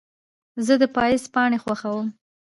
زه د پاییز پاڼې خوښوم.